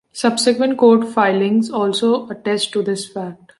Subsequent court filings also attest to this fact.